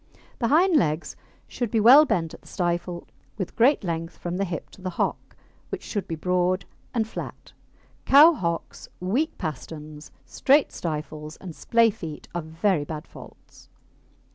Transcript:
The hind legs should be well bent at the stifle, with great length from the hip to the hock, which should be broad and flat. Cow hocks, weak pasterns, straight stifles, and splay feet are very bad faults.